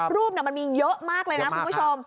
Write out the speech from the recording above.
มันมีเยอะมากเลยนะคุณผู้ชม